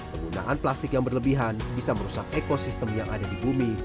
penggunaan plastik yang berlebihan bisa merusak ekosistem yang ada di bumi